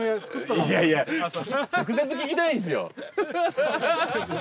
いやいや直接聞きたいですよ。